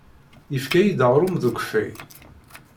Yefka-iyi-d aɣrum d ukeffay.